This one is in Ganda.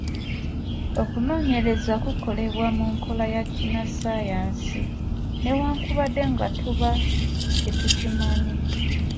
Okunoonyereza kukolebwa mu nkola ya Kinnassaayansi newankubadde nga tuba tetukimanyi.